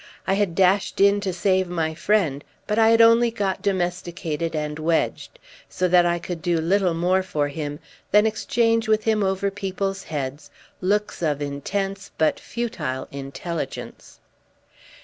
I had dashed in to save my friend, but I had only got domesticated and wedged; so that I could do little more for him than exchange with him over people's heads looks of intense but futile intelligence.